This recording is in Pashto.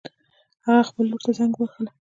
هغې خپل لور ته زنګ ووهله